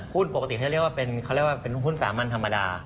หุ้นปกติเขาเรียกว่าเป็นหุ้นสามัญธรรมดา